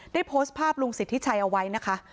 โพสต์ภาพลุงสิทธิชัยเอาไว้นะคะ